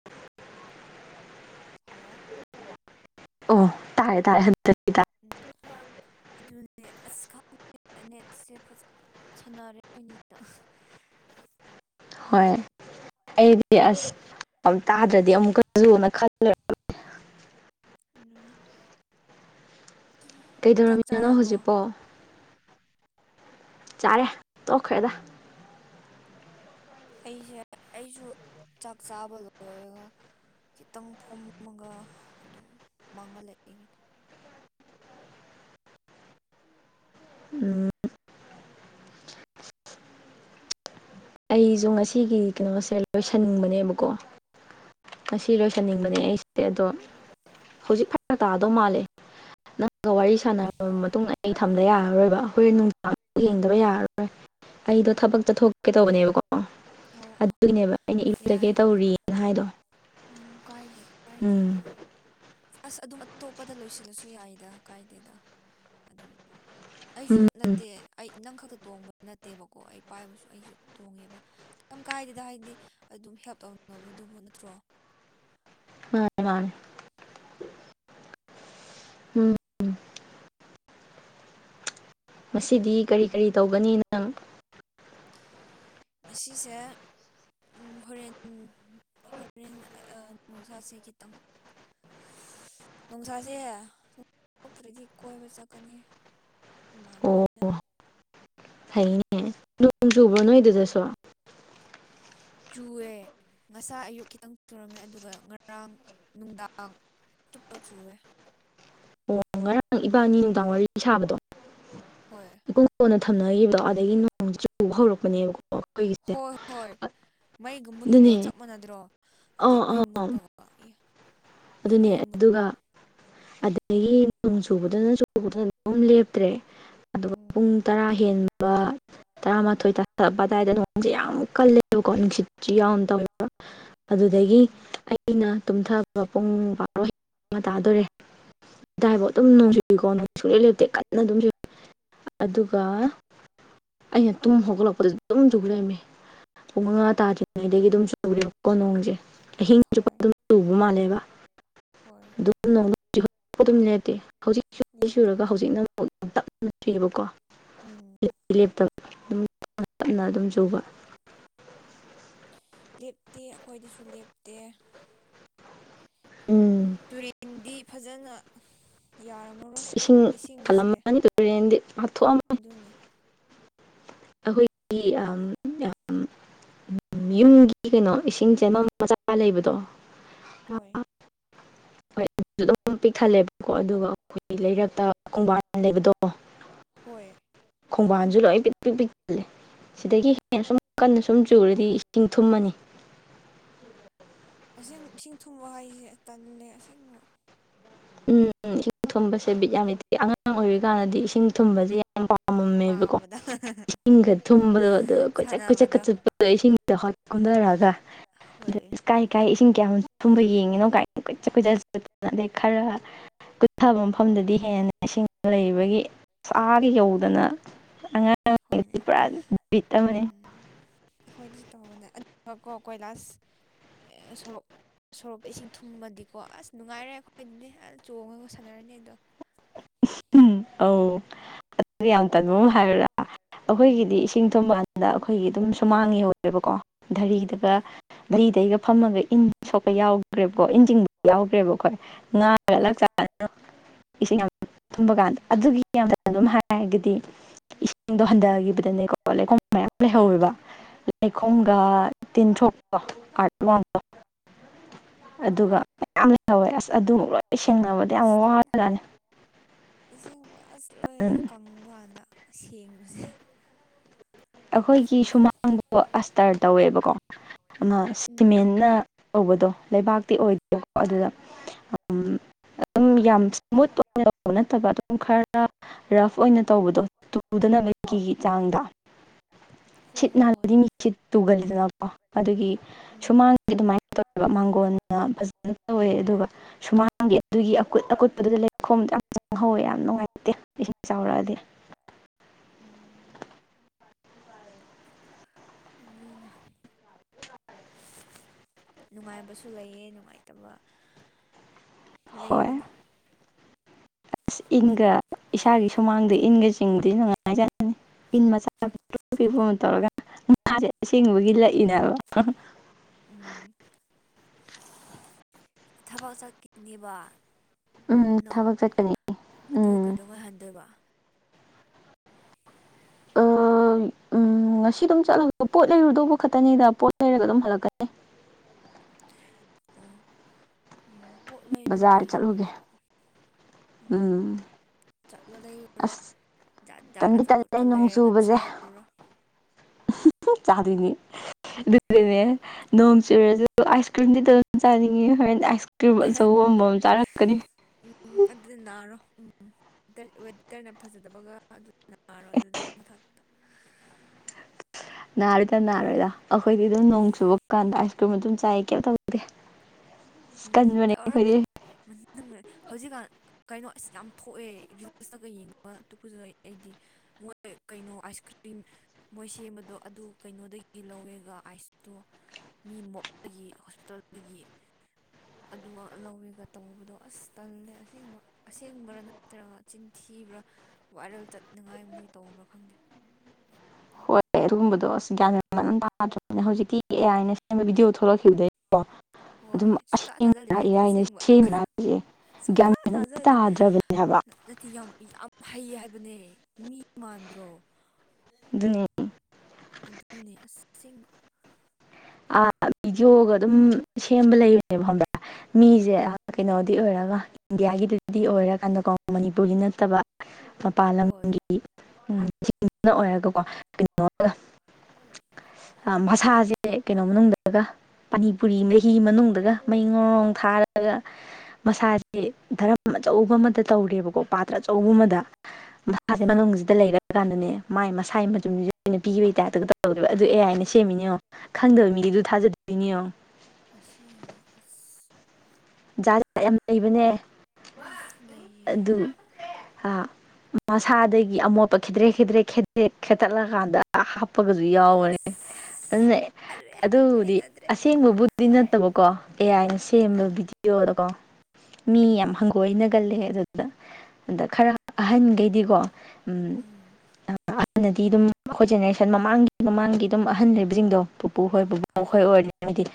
[inaudible] hello ꯑꯣ ꯇꯥꯦ ꯇꯥꯏꯔꯦ ꯍꯟ ꯇꯥꯏ ꯎꯝ ꯑꯗꯨꯅꯦ ꯑꯁ ꯈꯪꯗꯦ ꯅꯦꯠꯁꯦ ꯐꯖꯅ ꯁꯥꯟꯅꯔꯦ ꯑꯩꯈꯣꯏꯅꯤꯗ ꯍꯣꯏ ꯑꯩꯗꯤ ꯑꯁ ꯇꯥꯗ꯭ꯔꯗꯤ ꯑꯃꯨꯛꯀꯁꯨꯨꯅ ꯈꯜꯂꯨꯔꯦ ꯑꯗꯨꯅꯤ ꯆꯥꯛ ꯀꯩꯗꯧꯔꯃꯤꯅꯣꯅꯣ ꯆꯥꯔꯕꯣ ꯍꯧꯖꯤꯛꯄꯣ ꯆꯥꯔꯦ ꯇꯣꯛꯈ꯭ꯔꯦꯗ ꯑꯩꯁꯦ ꯑꯩꯁꯨ ꯆꯥꯛ ꯆꯥꯕ ꯂꯣꯏꯔꯒ ꯈꯤꯇꯪ ꯐꯝꯃꯒ ꯑꯗꯨꯝ ꯃꯥꯡꯉ ꯂꯩꯕꯅꯤ ꯎꯝ ꯑꯩꯁꯨ ꯉꯁꯤꯒꯤ ꯀꯩꯅꯣꯁꯦ ꯂꯣꯏꯁꯟꯅꯤꯡꯕꯅꯦꯕꯀꯣ ꯉꯁꯤ ꯂꯣꯏꯁꯟꯅꯤꯡꯕꯅꯦ ꯑꯩꯁꯦ ꯑꯗꯣ ꯍꯧꯖꯤꯛ ꯐꯔ ꯇꯥꯗꯧ ꯃꯥꯜꯂꯦ ꯅꯪꯒ ꯋꯥꯔꯤ ꯁꯥꯟꯅꯔꯕ ꯃꯇꯨꯡ ꯑꯩ ꯊꯝꯗ ꯌꯥꯔꯔꯣꯏꯕ ꯍꯈꯣꯏ ꯅꯨꯡꯊꯥ ꯌꯦꯡꯗꯕ ꯌꯥꯔꯔꯣꯏ ꯑꯩꯗꯣ ꯊꯕꯛ ꯆꯠꯊꯣꯛꯀꯦ ꯇꯧꯕꯅꯦꯕꯀꯣ ꯑꯣ ꯑꯣ ꯑꯗꯨꯒꯤꯅꯦꯕ ꯑꯩꯅ ꯏꯔꯨꯗꯒꯦ ꯌꯥꯏ ꯇꯧꯔꯤꯅ ꯍꯥꯏꯗꯣ ꯎꯝ ꯀꯥꯏꯗꯒꯤꯦ ꯎꯝ ꯑꯁ ꯑꯗꯨꯝ ꯑꯇꯣꯞꯄꯗ ꯂꯣꯏꯁꯤꯜꯂꯁꯨ ꯌꯥꯏꯗ ꯀꯥꯏꯗꯦꯗ ꯑꯗꯨꯝ ꯑꯩꯁꯨ ꯎꯝ ꯎꯝ ꯅꯠꯇꯦ ꯑꯩ ꯅꯪ ꯈꯛꯇ ꯇꯣꯡꯕ ꯅꯠꯇꯦꯕꯀꯣ ꯑꯩ ꯄꯥꯏꯕꯁꯨ ꯑꯩꯁꯨ ꯇꯣꯡꯉꯦꯕ ꯀꯔꯝ ꯀꯥꯏꯗꯗ ꯍꯥꯏꯗꯤ ꯑꯗꯨꯝ ꯍꯦꯜꯞ ꯇꯧꯅꯕꯗꯨꯕꯨ ꯅꯠꯇ꯭ꯔꯣ ꯎ ꯎꯝ ꯉꯁꯤꯗꯤ ꯀꯔꯤ ꯀꯔꯤ ꯇꯧꯒꯅꯤ ꯅꯪ ꯉꯁꯤꯁꯦ ꯍꯣꯔꯦꯟ ꯍꯣꯔꯦꯟ ꯅꯨꯡꯁꯥꯁꯦ ꯈꯤꯇꯪ ꯅꯨꯡꯁꯥꯁꯦ ꯊꯣꯛꯇ꯭ꯔꯗꯤ ꯀꯣꯏꯕ ꯆꯠꯀꯅꯤ ꯏꯃꯥꯟꯕꯤꯗ ꯍꯩꯅꯦ ꯅꯣꯡ ꯆꯨꯕ꯭ꯔꯣ ꯅꯣꯏꯗꯨꯗꯁꯨ [inaudible] ꯆꯨꯑꯦ ꯉꯁꯥ ꯑꯌꯨꯛ ꯈꯤꯇꯪ ꯆꯨꯔꯝꯃꯦ ꯑꯗꯨꯒ ꯉꯔꯥꯡ ꯅꯨꯡꯗꯥꯡ ꯇꯨꯞꯄ ꯆꯨꯦ ꯑꯣ ꯉꯔꯥꯡ ꯏꯕꯥꯅꯤ ꯅꯨꯡꯗꯥꯡ ꯋꯥꯔꯤ ꯁꯥꯕꯗꯣ ꯍꯣꯏ ꯄꯨꯡ ꯀꯣꯟꯅ ꯊꯝꯅꯈꯤꯕꯗꯣ ꯑꯗꯒꯤ ꯅꯣꯡ ꯆꯨꯕ ꯍꯧꯔꯛꯄꯅꯦꯕ ꯍꯣꯏ ꯍꯣꯏ ꯃꯩꯒ ꯃꯨꯠꯂꯤꯗꯣ ꯑꯗꯨꯅꯦ ꯆꯞ ꯃꯥꯟꯅꯗ꯭ꯔꯣ ꯅꯠꯇꯦ ꯑꯥ ꯃꯩ ꯑꯥ ꯃꯨꯠꯄꯒ ꯑ ꯑꯗꯨꯅꯦ ꯑꯗꯨꯒ ꯑꯗꯒꯤ ꯅꯣꯡ ꯆꯨꯕꯗꯅ ꯆꯨꯕꯗ ꯑꯗꯨꯝ ꯂꯦꯞꯇ꯭ꯔꯦ ꯑꯗꯨꯒ ꯎꯝ ꯄꯨꯡ ꯇꯔꯥ ꯍꯦꯟꯕ [unintelligible] ꯇꯔꯥꯃꯥꯊꯣꯏ ꯇꯥꯔꯛꯄ ꯑꯗꯥꯏꯗ ꯅꯣꯟꯁꯦ ꯌꯥꯝ ꯀꯜꯂꯦꯕꯀꯣ ꯅꯨꯡꯁꯤꯠꯁꯨ ꯌꯥꯎꯅ ꯇꯧꯋꯦ ꯑꯗꯨꯗꯒꯤ ꯎꯝ ꯑꯩꯅ ꯇꯨꯝꯊꯕ ꯄꯨꯡ ꯄꯥꯔꯣ ꯑꯃ ꯇꯥꯗꯣꯔꯦ ꯑꯗꯨꯏꯐꯥꯎ ꯑꯗꯨꯝꯅꯨꯡꯁꯤꯨꯀꯣꯣꯡꯅꯨꯡꯁꯤ ꯁꯨꯡꯂꯩ ꯂꯦꯞꯇ ꯀꯟꯅ ꯑꯗꯨꯝ ꯑꯗꯨꯒ ꯑꯩꯅ ꯇꯨꯝ ꯍꯧꯒꯠꯂꯛꯄꯗ ꯑꯗꯨꯝ ꯨꯒ ꯂꯩꯔꯝꯃꯤ ꯄꯨꯡ ꯃꯉꯥ ꯇꯥꯗ꯭ꯔꯤꯉꯩꯗꯒꯤ ꯑꯗꯨꯝ ꯆꯨꯔꯦ ꯅꯣꯡꯁꯦ ꯑꯍꯤꯡ ꯆꯨꯞꯄ ꯍꯣꯏ ꯑꯗꯨꯝ ꯇꯨꯕ ꯃꯥꯜꯂꯦꯕ ꯍꯣꯏ ꯑꯗꯨ ꯅꯝ ꯅꯠꯇꯦ ꯍꯧꯖꯤꯛ ꯁꯨꯔꯒ ꯂꯦꯞꯇꯕꯅꯦ ꯍꯧꯖꯤꯛꯅ ꯑꯃ ꯌꯥꯝ ꯇꯛꯅꯕꯀꯣ ꯎꯝ ꯁꯨꯡꯂꯦꯞ ꯂꯦꯞꯇꯕꯪꯪ ꯇꯝꯅ ꯑꯗꯨꯝ ꯆꯨꯕ ꯂꯦꯞꯇꯦ ꯑꯩꯈꯣꯏꯗꯁꯨ ꯂꯦꯞꯇꯦ ꯎꯝ ꯇꯨꯔꯦꯟꯗꯤ ꯐꯖꯅ ꯌꯥꯔꯝꯃꯔꯣꯏ ꯏꯁꯤꯡ ꯀꯜꯂꯝꯃꯅꯤ ꯇꯨꯔꯦꯟꯗꯤ ꯍꯥꯞꯊꯣꯛꯑꯝꯃꯅꯤ ꯑꯗꯨꯅꯤ ꯑꯩꯈꯣꯏꯒꯤ ꯌꯨꯝꯒꯤ ꯀꯩꯅꯣ ꯏꯁꯤꯡ ꯆꯦꯅꯝ ꯃꯆꯥ ꯂꯩꯕꯗꯣ ꯍꯣꯏ [inaudible] [inaudible] ꯍꯣꯏ ꯑꯗꯨꯁꯨ ꯑꯗꯨꯝ ꯄꯤꯛꯊꯜꯂꯦꯕꯀꯣ ꯑꯗꯨꯒ ꯑꯩꯈꯣꯏꯒꯤ ꯂꯩꯔꯛꯇ ꯈꯣꯡꯕꯥꯟ ꯂꯩꯕꯗꯣ ꯍꯣꯏ ꯈꯣꯡꯕꯥꯟꯁꯨ ꯂꯣꯏ ꯄꯤꯛ ꯄꯤꯛꯂꯦ ꯁꯤꯗꯒꯤ ꯍꯦꯟꯅ ꯁꯨꯝ ꯀꯟꯅ ꯁꯨꯝ ꯆꯨꯔꯗꯤ ꯏꯁꯤꯡ ꯊꯨꯝꯃꯅꯤ ꯑꯁꯦꯡꯕ ꯏꯁꯤꯡ ꯊꯨꯝꯕ ꯍꯥꯏꯁꯦ ꯇꯜꯂꯦ ꯑꯁꯦꯡꯕ ꯎꯝ ꯎꯝ ꯏꯁꯤꯡ ꯊꯨꯝꯕꯁꯦ ꯕꯤꯠ ꯌꯥꯝ ꯂꯩꯇꯦ ꯑꯉꯥꯡ ꯑꯣꯏꯔꯤꯀꯥꯟꯗꯗꯤ ꯏꯁꯤꯡ ꯊꯨꯝꯕꯁꯦ ꯌꯥꯝ ꯌꯥꯝ ꯄꯥꯝꯃꯝꯃꯦꯕꯀꯣ ꯄꯥꯝꯕꯗ ꯆꯤꯡꯒ ꯊꯨꯝꯕꯗꯣ ꯑꯗ ꯀꯣꯏꯆꯠ ꯀꯣꯏꯆꯠꯀ ꯁꯥꯟꯅꯕꯗꯣ ꯆꯠꯄ ꯑꯗ ꯏꯁꯤꯡꯁꯤꯗ ꯍ ꯀꯨꯟꯊꯔꯛꯑꯒ ꯍꯣꯏ ꯏꯀꯥꯏ ꯀꯥꯏ ꯏꯁꯤꯡ ꯀꯌꯥ ꯊꯨꯝꯕ ꯌꯦꯡꯉꯤꯅꯣ ꯀꯥꯏ ꯀꯨꯏꯆ ꯀꯨꯏꯆꯠ ꯑꯗꯩ ꯈꯔ ꯀꯨꯠꯊꯕ ꯃꯐꯝꯗꯗꯤ ꯍꯦꯟꯅ ꯏꯁꯤꯡ ꯂꯩꯕꯒꯤ ꯁꯥꯥꯒ ꯌꯧꯗꯅ ꯑꯉꯥꯡ ꯍꯣꯏꯅꯦ ꯄꯨꯔꯥ ꯕꯤꯠ ꯑꯃꯅꯤ ꯑꯩꯈꯣꯏꯅꯁꯨ ꯇꯧꯕꯅꯦ ꯀꯣ ꯀꯣꯏ ꯂꯥꯁ ꯁꯣꯔꯣꯛ ꯁꯣꯔꯣꯛꯄ ꯏꯁꯤꯡ ꯊꯨꯝꯃꯗꯤꯀꯣ ꯑꯁ ꯅꯨꯡꯉꯥꯏꯔꯦ ꯑꯩꯈꯣꯏꯗꯗꯤ ꯑ ꯆꯣꯡꯉꯒ ꯁꯥꯟꯅꯔꯅꯤ ꯑꯗꯣ ꯎ ꯑꯧ ꯑꯗꯨꯗꯤ ꯌꯥꯝ ꯇꯟꯕ ꯑꯃ ꯍꯥꯏꯕ꯭ꯔꯥ ꯎꯝ ꯑꯩꯈꯣꯏꯒꯤꯗꯤ ꯆꯤꯡ ꯊꯣꯝꯕꯥꯟꯗ ꯑꯩꯈꯣꯏꯒꯤ ꯑꯗꯨꯝ ꯁꯨꯃꯥꯡ ꯌꯧꯗꯔꯦꯕꯀꯣ ꯙꯔꯤꯗꯒ ꯍꯣꯏ ꯂꯩꯗꯩꯒ ꯐꯝꯃꯒ ꯏꯟ ꯁꯣꯛꯄ ꯌꯥꯎꯈ꯭ꯔꯦꯕꯀꯣ ꯏꯟ ꯆꯤꯡꯕ ꯌꯥꯎꯈ꯭ꯔꯦꯕꯀꯣꯏ ꯉꯥ ꯈꯔ ꯍꯣꯏ ꯂꯥꯛ ꯆꯔꯅ ꯏꯁꯤꯡ ꯌꯥꯝ ꯇꯨꯝꯕ ꯀꯥꯟꯗ ꯑꯗꯨꯒꯤ ꯌꯥꯝ ꯑꯗꯨꯝ ꯍꯥꯏꯔꯒꯗꯤ ꯏꯁꯤꯡꯗꯣ ꯍꯟꯊꯈꯤꯕꯗꯅꯦꯀꯣ ꯂꯩꯈꯣꯝ ꯃꯌꯥꯝ ꯂꯩꯍꯧꯋꯦꯕ ꯍꯣꯏ ꯂꯩꯈꯣꯝꯒ ꯇꯤꯟꯁꯨ ꯑ ꯂ ꯑꯗꯨꯒ ꯃꯌꯥꯝ ꯂꯩꯍꯧꯋꯦ ꯑꯁ ꯑꯗꯨꯃ ꯂꯣꯏ ꯁꯦꯡꯅꯕꯗ ꯌꯥꯝ ꯑꯁ ꯇꯜꯂꯦ ꯋꯥꯖꯅꯤ ꯑꯁꯦꯡꯕ ꯑꯁ ꯂꯣꯏ ꯀꯪꯕ ꯀꯥꯟꯗ ꯁꯦꯡꯕꯁꯦ ꯑꯩꯈꯣꯏꯒꯤ ꯁꯨꯃꯥꯡꯗꯣ ꯑꯁꯇꯔ ꯇꯧꯋꯦꯕꯀꯣ ꯑꯃ ꯎꯝ ꯁꯤꯃꯦꯟꯅ ꯇꯧꯕꯗꯣ ꯂꯩꯕꯥꯛꯇꯤ ꯑꯣꯏꯗꯦꯕꯀꯣ ꯑꯗꯨꯗ ꯑꯗꯨꯝ ꯌꯥꯝ ꯏꯁꯃꯨꯠ ꯑꯣꯏꯅ ꯇꯧꯕ ꯅꯠꯇꯕ ꯑꯗꯨꯝ ꯈꯔ ꯔꯐ ꯑꯣꯏꯅ ꯇꯧꯕꯗꯣ ꯇꯨꯗꯅꯕꯒꯤ ꯆꯥꯡꯗ ꯍꯣ ꯁꯤꯠ ꯍꯣ ꯍꯣꯏ ꯅꯥꯜꯂꯗꯤ ꯃꯤ ꯁꯤꯠ ꯇꯨꯒꯜꯂꯤꯗꯅꯀꯣ ꯑꯗꯨꯒꯤ ꯎꯝ ꯁꯨꯃꯥꯡ ꯑꯗꯨꯃꯥꯏꯅ ꯇꯧꯋꯦꯕ ꯃꯥꯡꯒꯣꯟꯜꯅ ꯐꯖꯅ ꯇꯧꯋꯦ ꯑꯗꯨꯒ ꯁꯨꯃꯥꯡꯒꯤ ꯑꯗꯨꯒꯤ ꯑꯀꯨꯠ ꯑꯀꯨꯠꯄꯗꯨꯗ ꯂꯩꯈꯣꯝꯗ ꯌꯥꯝ ꯆꯪꯍꯧꯋꯦ ꯌꯥꯝ ꯅꯨꯡꯉꯥꯏꯇꯦ ꯏꯁꯤꯡ ꯆꯥꯎꯔꯛꯑꯗꯤ ꯎꯝ ꯑꯗꯨꯅꯦ ꯅꯨꯡꯉꯥꯏꯕꯁꯨ ꯂꯩꯌꯦ ꯅꯨꯡꯉꯥꯏꯇꯕ ꯍꯣꯏ ꯂꯩꯕꯅꯦ ꯑꯁ ꯏꯟꯒ ꯏꯁꯥꯒꯤ ꯁꯨꯃꯥꯡꯗ ꯏꯟꯒ ꯆꯤꯡꯕꯗꯤ ꯅꯨꯡꯉꯥꯏꯖꯅꯅꯤ ꯏꯤꯟ ꯃꯆꯥ ꯄꯤ ꯇꯧꯔꯒ ꯉꯥꯁꯦ ꯑꯁꯦꯡꯕꯒꯤ ꯂꯛꯏꯅꯦꯕ ꯎꯝ ꯊꯕꯛ ꯆꯠꯈꯤꯅꯦꯕ ꯎꯝ ꯅꯪ ꯊꯕꯛ ꯆꯠꯀꯅꯤ ꯑꯗꯨ ꯎꯝ ꯀꯩꯗꯧ ꯉꯥꯏꯍꯟꯗꯣꯏꯕ ꯉꯁꯤ ꯑꯗꯨꯝ ꯆꯠꯂꯒ ꯄꯣꯠ ꯂꯩꯔꯨꯗꯧꯕ ꯈꯛꯇꯅꯤꯗ ꯄꯣꯠ ꯂꯩꯔꯒ ꯑꯗꯨꯝ ꯍꯜꯂꯛꯀꯅꯤ ꯑꯣ ꯎꯝ ꯄꯣꯠꯂꯗꯣ ꯕꯖꯥꯔ ꯂꯩꯌꯦ ꯆꯠꯂꯨꯒꯦ ꯑꯩꯈꯣꯏꯁꯨ ꯎꯝ ꯆꯠꯂꯣ ꯂꯩꯔꯨꯔꯣ ꯑꯁ ꯖꯥꯠ ꯖꯥꯠ ꯇꯟꯗꯤ ꯇꯟꯂꯦ ꯑꯆꯥꯄꯣꯠꯀ ꯅꯣꯡ ꯂꯩꯔꯒ ꯆꯨꯕꯁꯦ [unintelligible] [unintelligible] ꯆꯥꯗꯣꯏꯅꯤ ꯑꯗꯨꯗꯨꯅꯦ ꯅꯣꯡ ꯆꯨꯔꯁꯨ ꯑꯥꯏꯁ ꯀ꯭ꯔꯤꯝꯗꯤ ꯑꯗꯨ ꯑꯗꯨꯝ ꯆꯥꯅꯤꯡꯉꯤ ꯍꯣꯔꯦꯟ ꯑꯥꯏꯁ ꯀ꯭ꯔꯤꯝ ꯑꯆꯧꯕ ꯑꯃ ꯃꯝ ꯆꯥꯔꯛꯀꯅꯤ ꯎꯝ ꯑꯗꯨꯗ ꯅꯥꯔꯣ ꯎꯝ ꯋꯦꯇꯔꯅ ꯐꯖꯗꯕꯒ ꯅꯥꯔꯣ ꯑꯗꯨꯗ ꯃꯊꯛ ꯅꯥꯔꯤꯣꯏꯗ ꯅꯥꯔꯣꯏꯗ ꯑꯩꯈꯣꯏꯗꯤ ꯑꯗꯨꯝ ꯅꯣꯡ ꯆꯨꯕ ꯀꯥꯟꯗ ꯑꯥꯏꯁ ꯀ꯭ꯔꯤꯝ ꯑꯗꯨꯝ ꯆꯥꯏꯌꯦ ꯀꯩꯝ ꯇꯧꯗꯦ ꯎꯝ ꯇꯧꯔ ꯑꯗꯨꯝ ꯍꯧꯖꯤꯛꯀꯥꯟ ꯀꯩꯅꯣ ꯑꯁ ꯌꯥꯝ ꯊꯣꯛꯑꯦ ꯔꯤꯜꯁꯇꯒ ꯌꯦꯡꯕ ꯑꯗꯨꯛ ꯑꯩꯗꯤ ꯃꯣꯏ ꯀꯩꯅꯣ ꯑꯥꯏꯁ ꯀ꯭ꯔꯤꯝ ꯃꯣꯏ ꯁꯦꯝꯕꯗꯣ ꯑꯗꯨ ꯀꯩꯅꯣꯗꯒꯤ ꯂꯧꯋꯦꯒ ꯑꯥꯏꯁꯇꯣ ꯃꯤ ꯃꯣꯞꯇꯒꯤ ꯍꯣꯁꯄꯤꯇꯥꯜꯗꯒꯤ ꯑꯗꯨꯃꯛ ꯂꯧꯋꯦꯒ ꯇꯧꯕꯗꯣ ꯑꯁ ꯇꯜꯂꯦ ꯑꯁꯦꯡꯕ ꯑꯁꯦꯡꯕ꯭ꯔꯥ ꯅꯠꯇ꯭ꯔꯒ ꯆꯤꯟꯊꯤꯕ꯭ꯔꯥ ꯋꯥꯏꯔꯦꯜ ꯆꯠꯅꯤꯉꯥꯏ ꯃꯣꯏ ꯇꯧꯕ꯭ꯔꯥ ꯈꯪꯗꯦ ꯍꯣꯏ ꯑꯗꯨꯒꯨꯝꯕꯗꯣ ꯑꯁ ꯒ꯭ꯌꯥꯟꯦꯟ ꯃꯦꯟ ꯑꯗꯨ ꯇꯥꯗ꯭ꯔꯕꯅꯤꯅ ꯍꯧꯖꯤꯛꯇꯤ ꯑꯦ ꯑꯥꯏꯅ ꯁꯦꯝꯕ ꯕꯤꯗꯤꯑꯣ ꯊꯣꯛꯂꯛꯈꯤꯕꯗꯒꯤꯩ ꯋꯥ ꯍꯣꯏ ꯁꯨꯡꯇꯥ ꯊꯥꯗꯗ꯭ꯔꯦ ꯑꯩꯗꯤ ꯑꯁꯦꯡꯕ ꯁꯦꯝꯃꯤꯔꯥ ꯍꯥꯏꯁꯦ ꯒ꯭ꯌꯥꯟ ꯁꯨꯡꯛꯊꯥ ꯃꯦꯟ ꯑꯝꯇ ꯊꯥꯖꯥꯗꯦ ꯇꯥꯗ꯭ꯔꯕꯅꯦ ꯍꯥꯏꯕ ꯤ ꯌꯥꯝ ꯌꯥꯝ ꯍꯩ ꯍꯥꯏꯕꯅꯦ ꯃꯤ ꯃꯥꯟꯗ꯭ꯔꯣ ꯅꯌꯥ ꯑꯗꯨꯅꯦ ꯑꯁꯦꯡꯕ ꯑ ꯚꯤꯗꯤꯑꯣꯒ ꯑꯗꯨꯝ ꯁꯦꯝꯕ ꯂꯩꯕꯅꯦꯕ ꯈꯪꯕ꯭ꯔꯥ ꯃꯤꯁꯦ ꯀꯩꯅꯣꯗꯤ ꯑꯣꯏꯔꯒ ꯏꯟꯗꯤꯌꯥꯒꯤꯗꯨꯗꯤ ꯑꯣꯏꯔꯀꯥꯟꯗꯀꯣ ꯃꯅꯤꯄꯨꯔꯒꯤ ꯅꯠꯇꯕ ꯃꯄꯥꯟ ꯍꯣꯏ ꯂꯝꯒꯤꯗꯤ ꯎꯤꯡꯅ ꯑꯣꯏꯔꯒꯀꯣ ꯀꯩꯅꯣꯒ ꯃꯁꯥꯁꯦ ꯀꯩꯅꯣ ꯃꯅꯨꯡꯗꯒ ꯄꯥꯅꯤ ꯄꯨꯨꯔꯤ ꯃꯍꯤ ꯃꯅꯨꯡꯗꯒ ꯃꯩ ꯃꯔꯣꯡ ꯊꯥꯔꯒ ꯃꯁꯥꯁꯦ ꯙꯔꯝ ꯑꯆꯧꯕ ꯑꯃꯗ ꯇꯧꯔꯦꯕꯀꯣ ꯄꯥꯇ꯭ꯔ ꯑꯆꯧꯕ ꯑꯃꯗ ꯍꯣꯏ [unintelligible] ꯗ ꯂꯩꯔ ꯀꯥꯟꯗꯅꯦ ꯃꯥꯏ ꯃꯁꯥꯒꯤ ꯃꯇꯗꯨꯁꯨ ꯑꯩꯅ ꯄꯤꯕꯒꯤ ꯇꯥꯏꯞꯇꯒ ꯇꯧꯗꯣꯏꯕ ꯑꯗꯨ ꯑꯦ ꯍꯥꯏꯅ ꯁꯦꯝꯃꯤꯅꯦꯉꯣ ꯈꯪꯗꯕ ꯃꯤꯗꯤ ꯑꯗꯨ ꯊꯥꯖꯗꯣꯏꯅꯤ ꯌꯣꯡ ꯑꯁꯦꯡꯕ ꯑꯁ ꯖꯥꯠ ꯖꯥꯠ ꯌꯥꯝ ꯂꯩꯕꯅꯦ ꯂꯩꯌꯦ ꯑꯗꯨ ꯑ ꯃꯁꯥꯗꯒꯤ ꯑꯃꯣꯠꯄ ꯈꯤꯗ꯭ꯔꯦ ꯈꯤꯗ꯭ꯔꯦ ꯈꯦꯠꯇꯠꯂꯀꯥꯟꯗ ꯍꯥꯞꯄꯒꯁꯨ ꯌꯥꯎꯕꯅꯤ ꯑꯁ ꯑꯗꯨꯅ ꯑꯔꯦ ꯑꯗꯨꯕꯨꯗꯤ ꯍꯩꯅꯗ꯭ꯔꯦ ꯑꯁꯦꯡꯕꯕꯨ ꯑꯗꯨ ꯅꯠꯇꯕꯀꯣ ꯑꯦ ꯑꯥꯏꯅ ꯁꯦꯝꯕ ꯍꯣꯏ ꯚꯤꯗꯤꯑꯣꯗ ꯀꯣ ꯃꯤ ꯌꯥꯝ ꯍꯣꯏ ꯍꯪꯉ ꯀꯣꯏꯅꯒꯜꯂꯦ ꯑꯗꯨꯗ ꯑꯗ ꯈꯔ ꯑꯍꯟꯈꯩꯗꯤꯀꯣ ꯎꯝ ꯑꯍꯅꯗꯤ ꯑꯗꯨꯝ ꯑꯩꯈꯣꯏ ꯖꯦꯅꯦꯔꯦꯁꯟ ꯃꯃꯥꯡꯒꯤ ꯃꯃꯥꯡꯒꯤ ꯑꯗꯨꯝ ꯑꯍꯟꯕꯁꯤꯡꯗꯣ ꯄꯨꯄꯨꯈꯣꯏ ꯄꯨꯕꯄꯨꯈꯣꯏ ꯍꯣꯏ ꯑꯣꯏꯔꯅ ꯍꯥꯏꯗꯤ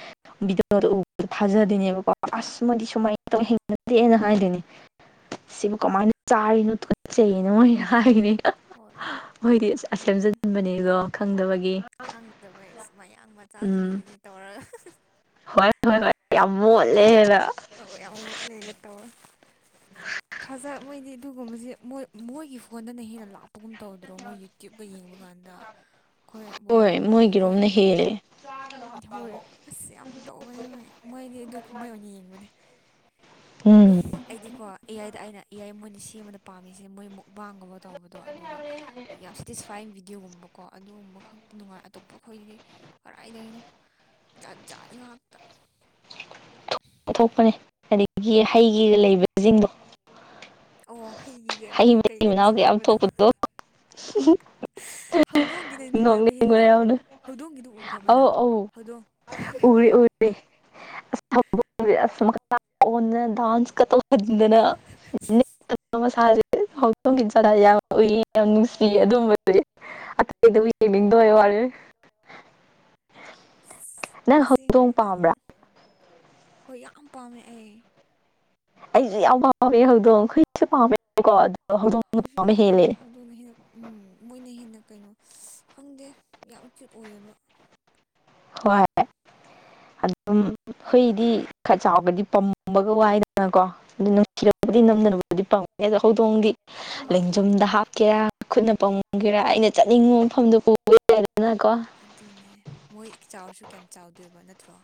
ꯎ ꯊꯥꯖꯗꯣꯏꯅꯦꯕꯀꯣ ꯑꯁ ꯃꯣꯏꯗꯤ ꯁꯨꯃꯥꯏꯅ ꯇꯧ ꯍꯩꯅꯗꯦꯅ ꯍꯥꯏꯗꯨꯅꯦ ꯁꯤꯕꯨ ꯀꯃꯥꯏꯅ ꯆꯥꯔꯤꯅꯣ ꯇꯨꯒꯇ ꯆꯩꯌꯦꯅ ꯍꯥꯏꯔꯤꯅꯤ ꯍꯣꯏ ꯃꯣꯏꯗꯤ ꯁꯦꯝꯖꯤꯟꯕꯅꯦꯀꯣ ꯈꯪꯗꯕꯒꯤ ꯈꯪꯗꯕ ꯃꯌꯥꯡ ꯎꯝ ꯃꯆꯥꯁꯤꯡꯁꯤꯗꯤ ꯇꯧꯔꯒ ꯍꯣꯏ ꯍꯣꯏ ꯍꯣꯏ ꯌꯥꯝ ꯃꯣꯠꯂꯦꯅ ꯑ ꯌꯥꯝ ꯂꯩꯒꯦ ꯇꯧꯋꯦ ꯐꯖ ꯃꯣꯏꯗꯤ ꯑꯗꯨꯒꯨꯝꯕꯁꯦ ꯃꯣꯏ ꯃꯣꯏꯒꯤ ꯐꯣꯟꯗꯅ ꯍꯦꯟꯅ ꯂꯥꯛꯄꯒꯨꯝ ꯇꯧꯗ꯭ꯔꯣ ꯃꯣꯏ ꯌꯨꯇ꯭ꯌꯨꯞꯀ ꯌꯦꯡꯕ ꯀꯥꯟꯗ ꯍꯣꯏ ꯕꯣꯕꯣꯛ ꯄꯨꯄꯨꯈꯣꯏ ꯃꯣꯏꯒꯤꯔꯣꯝꯅ ꯍꯦꯜꯂꯦ ꯍꯣꯏ ꯑꯁ ꯌꯥꯝ ꯇꯧꯕꯅꯦ ꯃꯣꯏꯗꯤ ꯑꯗꯨ ꯀꯨꯝꯍꯩ ꯑꯣꯏꯅ ꯌꯦꯡꯕꯅꯦ ꯎꯝ ꯑꯩꯗꯤꯀꯣ ꯏꯌꯥꯏꯗ ꯑꯩꯅ ꯏꯌꯥꯏ ꯃꯣꯏꯅ ꯁꯦꯝꯕꯗ ꯄꯥꯝꯃꯤꯁꯤꯦ ꯃꯣꯏ ꯃꯨꯛꯕꯥꯡꯒꯨꯝꯕ ꯇꯧꯕꯗꯣ ꯑꯗꯨꯒ ꯌꯥꯝ ꯁꯦꯇꯤꯁꯐꯥꯏꯤꯡ ꯕꯤꯗꯤꯑꯣꯒꯨꯝꯕꯀꯣ ꯑꯗꯨꯒꯨꯝꯕ ꯈꯛꯇꯤ ꯅꯨꯡꯉꯥꯏ ꯑꯇꯣꯞꯄ ꯑꯩꯈꯣꯏꯒꯤꯗꯤ ꯀꯗꯥꯏꯗꯩꯅꯣ ꯖꯥꯠ ꯖꯥꯠ ꯉꯥꯛꯇ ꯀꯊꯣꯛꯄꯅꯦ ꯍꯥꯏꯗꯒꯤ ꯍꯩꯒꯤꯒ ꯂꯩꯕꯁꯤꯡꯗꯣ ꯑꯣ ꯍꯩꯒꯤꯒ ꯃꯣꯏ ꯀꯔꯤ ꯀꯩꯅꯣ ꯁꯦꯝꯕꯗꯣ [unintelligible] ꯍꯧꯗꯣꯡꯒꯤꯅ [unintelligible] ꯅꯨꯡꯉꯥꯏꯕ ꯅꯣꯡꯅꯤꯡꯕ ꯍꯦꯜꯂꯦ ꯌꯥꯎꯅ ꯍꯧꯗꯣꯡꯒꯤꯗꯨ ꯎꯈ꯭ꯔꯕ ꯑꯧ ꯅꯪ ꯑꯧ ꯍꯧꯗꯣꯡ ꯎꯔꯤ ꯎꯔꯤ ꯑꯁ ꯑꯁ ꯃ [unintelligible] ꯗꯥꯟꯁ [unintelligible] ꯍꯧꯇꯣꯡꯒꯤ ꯆꯥ ꯌꯥꯝ ꯎꯏ ꯌꯥꯝ ꯅꯨꯡꯁꯤ ꯑꯗꯨꯝꯕ ꯑꯇꯩ ꯎꯏ ꯃꯤꯡꯗꯣ ꯍꯣꯏ [unintelligible] ꯑꯁ ꯅꯪ ꯑꯁꯦꯡꯕ ꯍꯧꯗꯣꯡ ꯑ ꯄꯥꯝꯕ꯭ꯔꯥ ꯍꯣꯏ ꯌꯥꯝ ꯄꯥꯝꯃꯦ ꯑꯩ ꯑꯩꯁꯨ ꯌꯥꯝ ꯄꯥꯝꯃꯦ ꯍꯧꯗꯣꯡ ꯍꯨꯏꯁꯨ ꯄꯥꯝꯃꯦꯕꯀꯣ ꯑꯗꯣ ꯍꯧꯗꯣꯡ ꯄꯥꯝꯕ ꯍꯦꯜꯂꯦ ꯑꯗꯨꯣꯅꯦ ꯍꯦꯟꯅ ꯎꯝ ꯃꯣꯏꯅ ꯍꯦꯟꯅ ꯀꯩꯅꯣ ꯈꯪꯗꯦ ꯌꯥꯝ ꯀ꯭ꯌꯨꯠ ꯑꯣꯏꯌꯦꯕ ꯍꯣꯏ ꯑꯗꯨꯝ ꯍꯨꯏꯗꯤ ꯈꯔ ꯆꯥꯎꯒ꯭ꯔꯗꯤ ꯄꯝꯕꯒ ꯋꯥꯏꯗꯅꯀꯣ ꯑꯗꯨ ꯅꯨꯡꯁꯤꯔꯔꯕꯕꯨꯗꯤ ꯅꯝꯅꯅꯕꯕꯨꯗꯤ ꯄꯥꯝꯉ ꯑꯗꯣ ꯍꯧꯗꯣꯡꯗꯤ ꯍꯣꯏ ꯍꯧꯗꯣꯡ ꯂꯦꯡꯖꯨꯝꯗ ꯑꯗꯣ ꯍꯥꯞꯀꯦꯔ ꯈꯨꯠꯅ ꯄꯝꯒꯦꯔ ꯑꯩꯅ ꯆꯠꯅꯤꯡꯕ ꯃꯐꯝꯗꯣ ꯄꯨꯕ ꯌꯥꯏꯗꯅ ꯀꯣ ꯑꯗꯨꯅꯦ ꯃꯣꯏ ꯆꯥꯎꯔꯁꯨ ꯀꯌꯥꯝ ꯆꯥꯎꯗꯦꯕ ꯅꯠꯇ꯭ꯔꯣ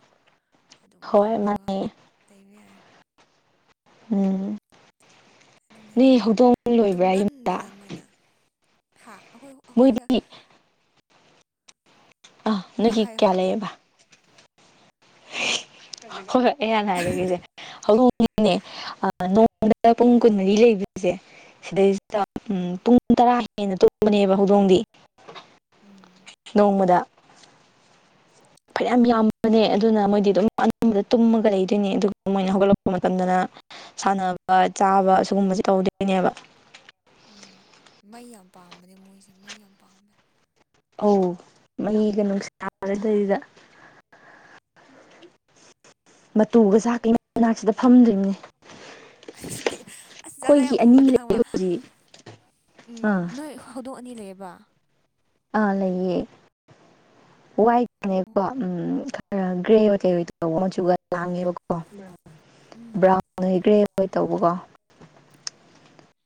ꯑꯗꯨꯝ ꯍꯣꯏ ꯄꯝꯃꯒ ꯃꯥꯅꯦ ꯂꯩꯕ ꯌꯥꯔꯦ ꯎꯝ ꯑꯗꯨꯅꯦ ꯅꯣꯏ ꯍꯧꯗꯣꯡ ꯂꯣꯏꯕ꯭ꯔꯥ ꯌꯨꯝꯗ ꯍꯥꯥ ꯑꯩꯈꯣꯏ ꯑꯩꯈꯣꯏꯁꯦ ꯃꯣꯏꯗꯤ ꯑ ꯍꯥ ꯅꯣꯏꯒꯤ ꯍꯥꯏ ꯍꯣꯏ ꯀꯌꯥ ꯂꯩꯌꯦꯕ ꯍꯣꯏ ꯍꯣꯏ ꯑꯩ ꯍꯥꯟꯅ ꯍꯥꯏꯔꯒꯁꯦ ꯍꯧꯗꯣꯡꯅꯦ ꯅꯣꯡꯃꯗ ꯄꯨꯡ ꯍꯣꯏ ꯀꯨꯟꯃꯔꯤ ꯂꯩ ꯁꯦ ꯁꯤꯗꯩꯁꯤꯗ ꯎꯝ ꯄꯨꯡ ꯇꯔꯥ ꯍꯦꯟꯅ ꯇꯨꯝꯕꯅꯦꯕ ꯍꯧꯗꯣꯡꯗꯤ ꯎꯝ ꯅꯣꯡꯃꯗ ꯐꯩꯌꯥꯝ ꯑꯗꯨꯅꯦ ꯌꯥꯝ ꯑꯗꯨꯅ ꯑꯗꯨꯅ ꯃꯣꯏꯗꯤ ꯑꯗꯨꯝ ꯑꯅꯝꯕꯗ ꯇꯨꯝꯃꯒ ꯂꯩꯗꯣꯏꯅꯦ ꯑꯗꯨꯒ ꯃꯣꯏꯅ ꯍꯧꯒꯠꯂꯛꯄ ꯃꯇꯝꯗꯅ ꯁꯥꯟꯅꯕ ꯆꯥꯕ ꯁꯤꯒꯨꯝꯕꯁꯤ ꯇꯧꯗꯣꯏꯅꯦꯕ ꯎꯝ ꯃꯩ ꯌꯥꯝ ꯄꯥꯝꯕꯅꯦ ꯃꯣꯏꯁꯦ ꯃꯩ ꯌꯥꯝ ꯄꯥꯝꯕ ꯑꯧ ꯃꯤꯗ [unintelligible] ꯃꯇꯨꯒ ꯆꯥꯛꯀꯩ ꯃꯩꯃꯅꯥꯛꯁꯤꯗ ꯐꯝꯗꯨꯏꯅꯤ ꯑꯗꯨꯗꯤ ꯑꯁ ꯖꯥꯠ ꯖꯥꯠ ꯌꯥꯝ ꯑꯅꯤ ꯎꯕꯅꯤ ꯈꯪꯕ ꯂꯩ ꯍꯧꯖꯤꯛ ꯎꯝ ꯑꯥ ꯅꯣꯏ ꯍꯧꯗꯣꯡ ꯑꯅꯤ ꯂꯩꯌꯦꯕ ꯑꯥ ꯂꯩꯌꯦ ꯋꯥꯏꯠ ꯑꯣ ꯒꯤꯕꯅꯦꯀꯣ ꯎꯝ ꯈꯔ ꯒ꯭ꯔꯦ ꯑꯣꯏ ꯀꯩ ꯑꯣꯏ ꯇꯧ ꯃꯆꯨꯒ ꯂꯥꯡꯉꯦꯕꯀꯣ ꯎꯝ ꯕ꯭ꯔꯥꯎꯟ ꯑꯣꯏ ꯒ꯭ꯔꯦ ꯑꯣꯏ ꯇꯧꯕꯀꯣ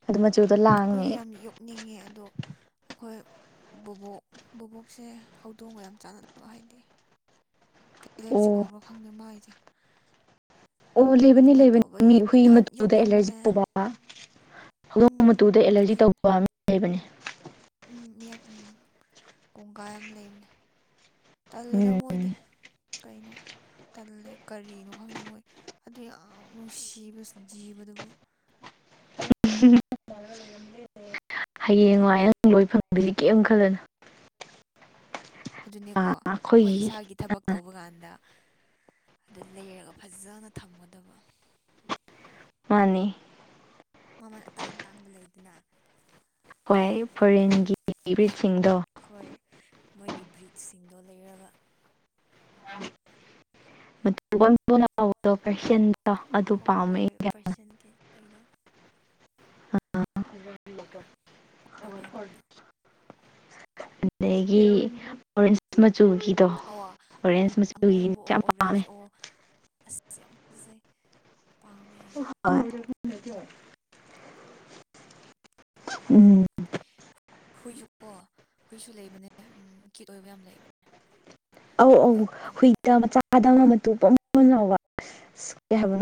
ꯑꯗꯨ ꯃꯆꯨꯗꯣ ꯂꯥꯡꯉꯦ ꯑꯩꯈꯣꯏꯁꯨ ꯌꯥꯝ ꯌꯣꯛꯅꯤꯡꯉꯦ ꯑꯗꯣ ꯑꯩꯈꯣꯏ ꯕꯨꯕꯣꯛ ꯕꯨꯕꯣꯛꯁꯦ ꯍꯧꯗꯣꯡꯒ ꯌꯥꯝ ꯆꯥꯟꯅꯗꯕ ꯍꯥꯏꯗꯤ ꯑꯣ ꯑꯦꯂꯔꯖꯤ ꯀꯧꯕ꯭ꯔꯥ ꯈꯪꯗꯦ ꯃꯥꯥꯏꯖꯦ ꯑꯣ ꯂꯩꯕꯅꯤ ꯂꯩꯕꯅꯤ ꯃꯤ ꯍꯨꯏ ꯅꯍꯥꯟ ꯃꯇꯨꯗ ꯑꯦꯂꯔꯖꯤ ꯌꯣꯛꯂꯝꯕꯅꯦ ꯇꯧꯕ ꯎꯝ ꯍꯧꯗꯣꯡ ꯎꯝ ꯃꯇꯨꯗ ꯑꯦꯂꯔꯖꯤ ꯂꯩꯕꯅꯦ ꯇꯧꯕ ꯃꯤ ꯂꯩꯕꯅꯤ ꯎꯝ ꯃꯤꯌꯥꯝ ꯎꯝ ꯀꯣꯡꯒꯥꯏ ꯑꯝ ꯂꯩꯕꯅꯦ ꯇꯜꯂꯦꯗ ꯎꯝ ꯃꯣꯏꯗꯤ ꯀꯩꯅꯣ ꯇꯜꯂꯦ ꯀꯔꯤꯅꯣ ꯈꯪꯗꯦ ꯃꯣꯏ ꯑꯗꯨ ꯌꯥꯝ ꯅꯨꯡꯁꯤꯕ ꯖꯤꯕꯗꯨꯕꯨ ꯍꯌꯦꯡ ꯋꯥꯏ ꯅꯪ ꯂꯣꯏ ꯐꯪꯗꯣꯏꯅꯤ ꯀꯩꯝ ꯈꯜꯂꯅꯨ ꯑꯗꯨꯅꯦꯀꯣ ꯑꯩꯈꯣꯏ ꯑꯩꯈꯣꯏꯒꯤ ꯏꯁꯥꯒꯤ ꯊꯕꯛ ꯇꯧꯕꯀꯥꯟꯗ ꯑꯗꯨ ꯂꯩꯔꯒ ꯐꯖꯅ ꯊꯝꯒꯗꯕ ꯃꯥꯅꯤ ꯃꯃꯜ ꯑꯇꯥꯡ ꯑꯇꯥꯡꯕ ꯂꯩꯗꯅ ꯑꯗꯨ ꯍꯣꯏ ꯑꯩꯈꯣꯏꯗꯣ ꯐꯣꯔꯦꯟꯒꯤ ꯕ꯭ꯔꯤꯠꯁꯤꯡꯗꯣ ꯍꯣꯏ ꯃꯣꯏꯒꯤ ꯕ꯭ꯔꯤꯖꯁꯤꯡꯗꯣ ꯂꯩꯔꯒ ꯂꯇꯨ ꯃꯣꯟ ꯃꯣꯟ ꯂꯥꯎꯕꯗꯣ ꯐꯦꯁꯟ ꯍꯣꯏ ꯄꯔꯁꯦꯟ [unintelligible] ꯀꯩꯅꯣ ꯄꯥꯝꯃꯦ [unintelligible] ꯑꯗꯒꯤ ꯑꯣꯔꯦꯟꯖ ꯃꯆꯨꯒꯤ ꯑꯧ [unintelligible] ꯑꯉꯧꯕ ꯑꯣ ꯄꯥꯝꯃꯦ ꯑꯣꯔꯦꯟꯖ ꯑꯣ ꯑꯁ ꯌꯥꯝ ꯐꯖꯩ ꯄꯥꯝꯃꯦ ꯑꯩꯁꯨ [unintelligible] ꯎꯝ ꯍꯨꯏꯁꯨ ꯀꯣ ꯍꯨꯏꯁꯨ ꯂꯩꯕꯅꯦ ꯎꯝ ꯀꯌꯨꯠ ꯑꯣꯏꯕ ꯌꯥꯝ ꯂꯩꯕꯅꯦ ꯑꯧ ꯑꯧ ꯎꯝ ꯍꯨꯏꯗ ꯃꯆꯥꯗ ꯑꯃ ꯃꯇꯨ ꯃꯣꯟꯃꯣꯟ ꯂꯥꯎꯕ [unintelligible]